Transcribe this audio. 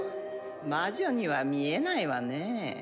魔女には見えないわねぇ。